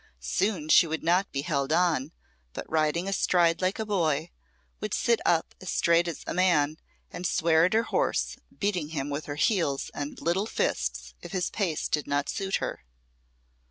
Soon she would not be held on, but riding astride like a boy, would sit up as straight as a man and swear at her horse, beating him with her heels and little fists if his pace did not suit her.